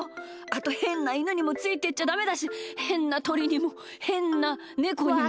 あとへんなイヌにもついてっちゃダメだしへんなとりにもへんなネコにも。